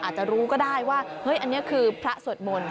อาจจะรู้ก็ได้ว่าเฮ้ยอันนี้คือพระสวดมนต์